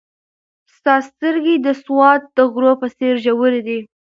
ستا سترګې د سوات د غرو په څېر ژورې دي.